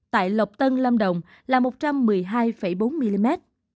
tại lộc tân lâm đồng là một trăm bốn mươi bảy tám mm